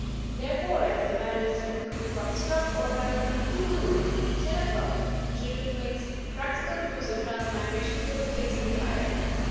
There¬ fore, as the Van Ousten cuckoo clock struck, or rather coo cooed, ten o'clock, she replaced " Practical [ 44 ] Proofs of Transmigration " in the book case and retired.